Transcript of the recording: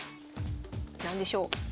何でしょう？